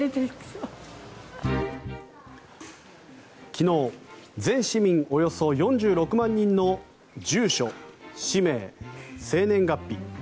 昨日全市民およそ４６万人の住所、氏名、生年月日。